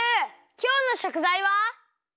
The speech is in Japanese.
きょうのしょくざいは？